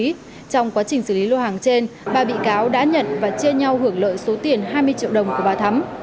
trong quá trình xử lý lô hàng trên ba bị cáo đã nhận và chia nhau hưởng lợi số tiền hai mươi triệu đồng của bà thắm